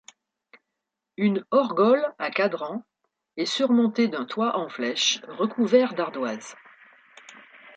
Une horgole à cadran est surmontée d'un toit en flèche recouvert d'ardoise.